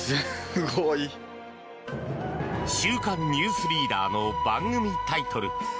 「週刊ニュースリーダー」の番組タイトル。